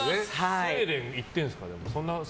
スウェーデン行ってるんですか。